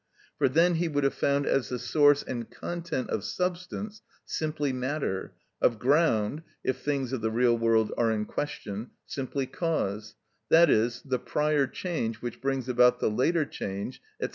For then he would have found as the source and content of substance simply matter, of ground (if things of the real world are in question) simply cause, that is, the prior change which brings about the later change, &c.